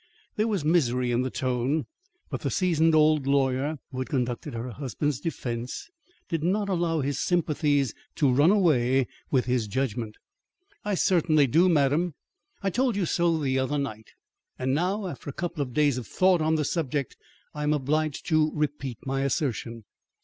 There was misery in the tone, but the seasoned old lawyer, who had conducted her husband's defence, did not allow his sympathies to run away with his judgment. "I certainly do, madam. I told you so the other night, and now, after a couple of days of thought on the subject, I am obliged to repeat my assertion.